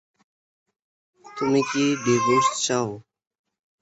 তুমি কি ডিভোর্স চাও?